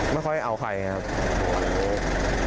ไม่ค่อยเอาใครครับ